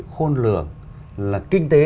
khôn lường là kinh tế